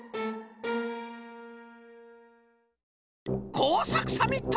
こうさくサミット！